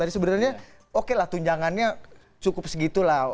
tadi sebenarnya oke lah tunjangannya cukup segitu